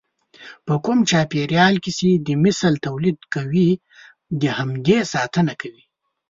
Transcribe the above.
په کوم چاپېريال کې چې د مثل توليد کوي د همدې ساتنه کوي.